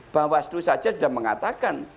bahwa setuju saja sudah mengatakan